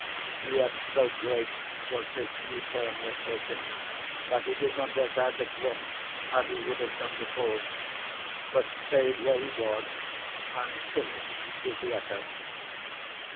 Yet so great was this new turn he had taken that he did not rush out at once, as he would have done before, but stayed where he was and finished his letter.